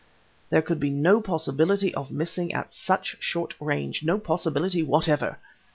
There could be no possibility of missing at such short range, no possibility whatever